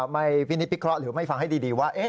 ไม่วินิปิกระหรือไม่ฟังให้ดีว่า